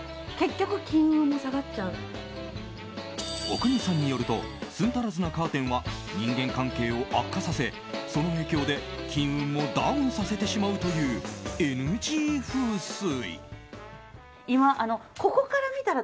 阿国さんによると寸足らずなカーテンは人間関係を悪化させその影響で金運もダウンさせてしまうというＮＧ風水。